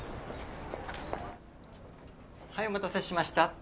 はいお待たせしました。